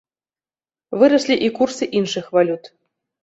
Выраслі і курсы іншых валют.